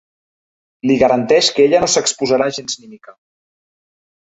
Li garanteix que ella no s'exposarà gens ni mica.